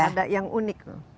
ada yang unik tuh